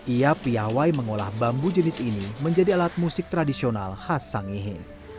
ia piawai mengolah bambu jenis ini menjadi alat musik tradisional khas sangihe